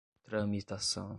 tramitação